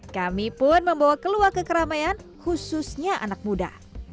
kami pun membawa keluar ke keramaian khususnya anak muda